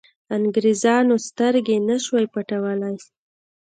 انګرېزانو سترګې نه شوای پټولای.